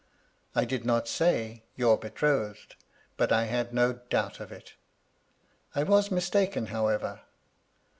" I did not say, ' your betrothed,' but I had no doubt of it. I was mistaken, however.